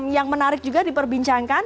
yang menarik juga diperbincangkan